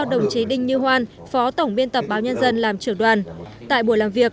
đồng chí đinh như hoan phó tổng biên tập báo nhân dân làm trưởng đoàn tại buổi làm việc